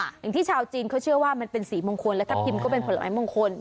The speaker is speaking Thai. อย่างที่ชาวจีนเขาเชื่อว่ามันเป็นสีมงคลแล้วถ้าพิมพ์ก็เป็นผลไม้มงคล